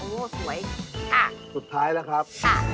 ใุ้สวยสุดท้ายนะครับ